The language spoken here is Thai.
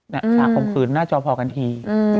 ฉากข่มขืนหน้าจอพอกันที